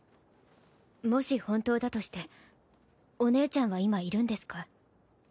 もし本当だとしてお姉ちゃんは今いるんですか？